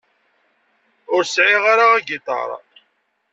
Ur sεiɣ ara agiṭar.